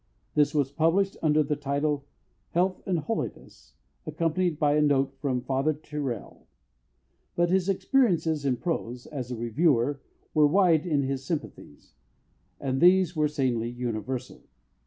This was published under the title of Health and Holiness, accompanied by a Note from Father Tyrrell. But his experiences in prose, as a reviewer, were wide as his sympathies, and these were sanely universal.